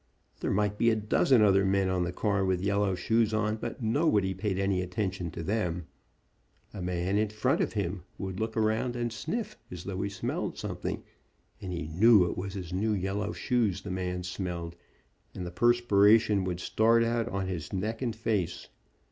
There might be a dozen other men on the car with yellow shoes on, but nobody paid any attention to them. A man in front of him would look around and sniff as though he smelled something, and he knew it was his new yellow shoes the man smelled and the perspiration would start out on his neck and face.